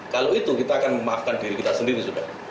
kalau itu kita akan memaafkan diri kita sendiri sudah